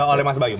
oleh mas bagimah